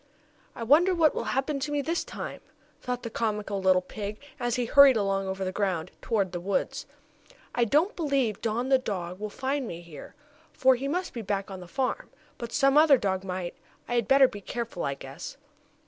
"I wonder what will happen to me this time?" thought the comical little pig, as he hurried along over the ground, toward the woods. "I don't believe Don, the dog, will find me here, for he must be back on the farm. But some other dog might. I had better be careful, I guess."